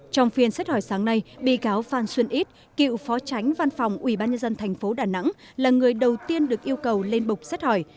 trong phiên xét hỏi sáng nay bị cáo phan xuân ít cựu phó tránh văn phòng ubnd tp đà nẵng là người đầu tiên được yêu cầu lên bục xét hỏi